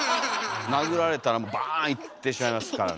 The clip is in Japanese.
殴られたらもうバーンいってしまいますからね。